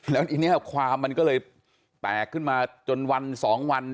แล้วทีนี้ความมันก็เลยแตกขึ้นมาจนวันสองวัน